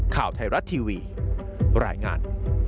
ข่าวไทยรัฐทีวีรายงาน